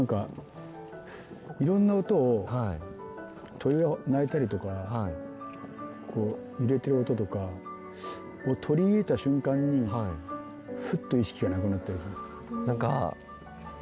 鳥が鳴いたりとかこう揺れてる音とか取り入れた瞬間にふっと意識がなくなってる。